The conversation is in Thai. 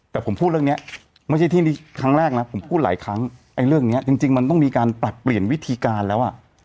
แต่ผมพูดเรื่องนี้ไม่ใช่ที่ครั้งแรกนะผมพูดหลายครั้งไอ้เรื่องเนี้ยจริงจริงมันต้องมีการปรับเปลี่ยนวิธีการแล้วอ่ะ